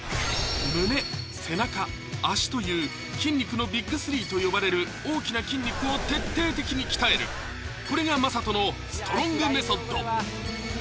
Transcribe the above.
胸・背中・脚という筋肉のＢＩＧ３と呼ばれる大きな筋肉を徹底的に鍛えるこれが魔裟斗のストロングメソッド